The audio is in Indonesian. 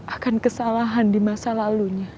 akan kesalahan di masa lalunya